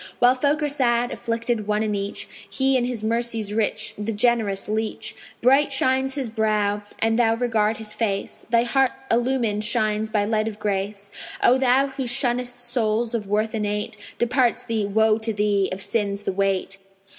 While folk are sad, afflicted one and each, He in his mercy's rich, the generous leach: Bright shines his brow; an thou regard his face Thy heart illumined shines by light of grace. O thou who shunnest souls of worth innate Departs thee (woe to thee!) of sins the weight.